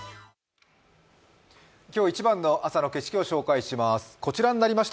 今日一番の朝の景色を紹介します。